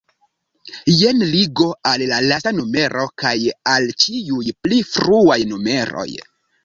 Jen ligo al la lasta numero kaj al ĉiuj pli fruaj numeroj.